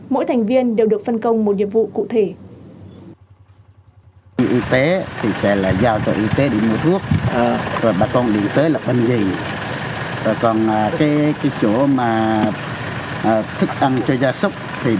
mỗi thành viên đều được phân công một nhiệm vụ cụ thể